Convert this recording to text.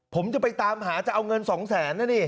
ผมจะไปตามหาจะเอาเงิน๒แสนนะนี่